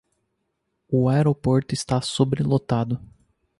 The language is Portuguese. O aeroporto está sobrelotado.